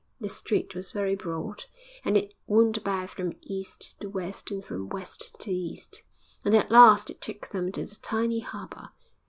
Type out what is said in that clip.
The street was very broad, and it wound about from east to west and from west to east, and at last it took them to the tiny harbour.